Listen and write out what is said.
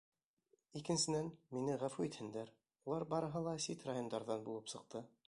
Икенсенән, мине ғәфү итһендәр, улар барыһы ла сит райондарҙан булып сыҡты.